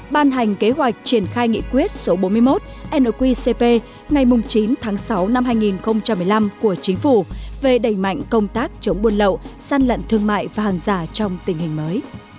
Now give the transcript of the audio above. ban hành kế hoạch triển khai nghị quyết số bốn mươi một nqcp ngày chín tháng sáu năm hai nghìn một mươi năm của chính phủ về đẩy mạnh công tác chống buôn lậu săn lận thương mại và hàng giả trong tình hình mới